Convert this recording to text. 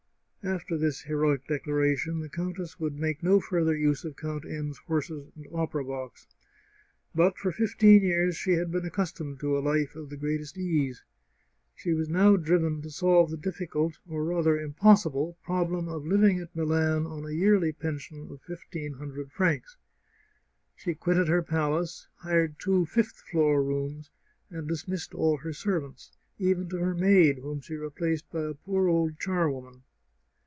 After this heroic declaration the countess would make no further use of Count N 's horses and opera box. But for fifteen years she had been accustomed to a life of the greatest ease. She was now driven to solve the difficult, or rather impossible, problem of living at Milan on a yearly pension of fifteen hundred francs. She quitted her palace, hired two fifth floor rooms, and dismissed all her servants, even to her maid, whom she replaced by a poor old char woman.